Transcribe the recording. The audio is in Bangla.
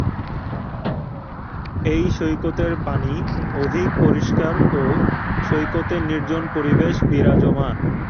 এই সৈকতের পানি অধিক পরিষ্কার ও সৈকতে নির্জন পরিবেশ বিরাজমান।